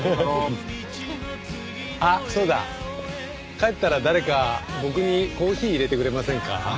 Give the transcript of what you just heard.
帰ったら誰か僕にコーヒーいれてくれませんか？